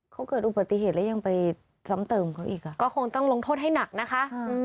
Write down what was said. เขาเกิดอุบัติเหตุแล้วยังไปซ้ำเติมเขาอีกอ่ะก็คงต้องลงโทษให้หนักนะคะ